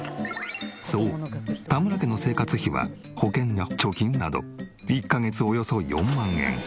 そう田村家の生活費は保険や貯金など１カ月およそ４万円。